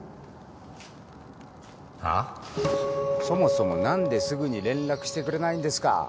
そもそも何ですぐに連絡してくれないんですか？